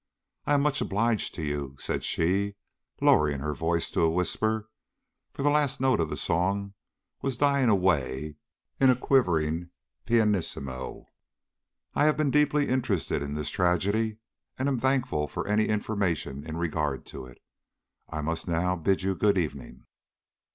"I am much obliged to you," said she, lowering her voice to a whisper, for the last note of the song was dying away in a quivering pianissimo. "I have been deeply interested in this tragedy, and am thankful for any information in regard to it. I must now bid you good evening."